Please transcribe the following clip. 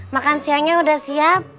makan siangnya udah siap